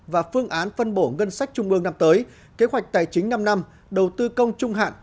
và phương án phân bổ ngân sách trung ương năm tới kế hoạch tài chính năm năm đầu tư công trung hạn